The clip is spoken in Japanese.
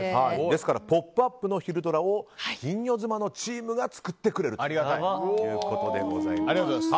ですから「ポップＵＰ！」のひるドラ！を「金魚妻」のチームが作ってくれるということです。